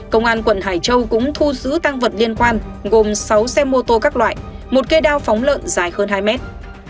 công an quận hải châu cũng thu giữ tăng vật liên quan gồm sáu xe mô tô các loại một cây đao phóng lợn dài hơn hai mét